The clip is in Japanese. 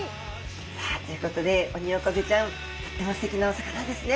さあということでオニオコゼちゃんとってもすてきなお魚ですね。